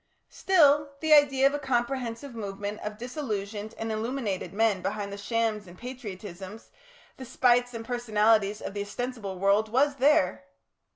Still, the idea of a comprehensive movement of disillusioned and illuminated men behind the shams and patriotisms, the spites and personalities of the ostensible world was there."